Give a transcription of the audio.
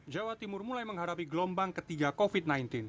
jawa timur mulai menghadapi gelombang ketiga covid sembilan belas